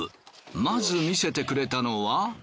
まず見せてくれたのは。